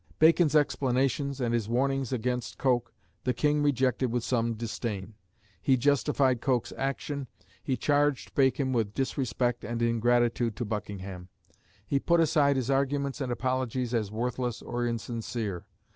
Bacon's explanations, and his warnings against Coke the King "rejected with some disdain;" he justified Coke's action; he charged Bacon with disrespect and ingratitude to Buckingham; he put aside his arguments and apologies as worthless or insincere.